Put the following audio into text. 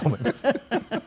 フフフフ。